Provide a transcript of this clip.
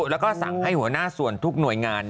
แล้วก็สั่งให้หัวหน้าส่วนทุกหน่วยงาน